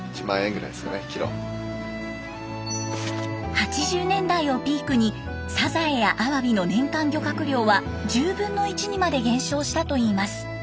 ８０年代をピークにサザエやアワビの年間漁獲量は１０分の１にまで減少したといいます。